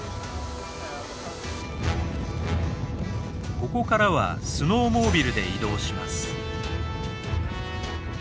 ここからはスノーモービルで移動します。